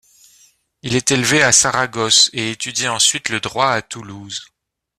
Il est élevé à Saragosse et étudie ensuite le droit à Toulouse.